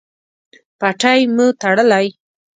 پټۍ مو تړلی؟